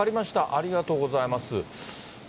ありがとうございます。